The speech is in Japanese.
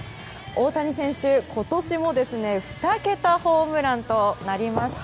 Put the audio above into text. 大谷選手、今年も２桁ホームランとなりました。